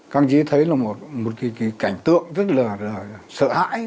căng chí thấy là một cái cảnh tượng rất là sợ hãi